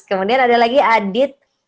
kemudian ada lagi adit